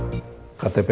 ktp kamu masih muda